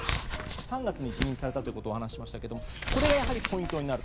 ３月に辞任されたということを先ほど話しましたがこれがやはりポイントになる。